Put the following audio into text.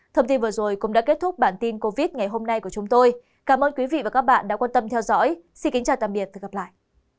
thông tin vừa rồi cũng đã kết thúc bản tin covid ngày hôm nay của chúng tôi cảm ơn quý vị và các bạn đã quan tâm theo dõi xin kính chào tạm biệt và hẹn gặp lại